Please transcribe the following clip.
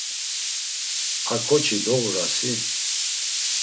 A ǩoçi doğurasi…